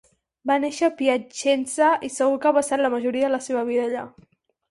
Va néixer a Piacenza i segur que ha passat la majoria de la seva vida allà.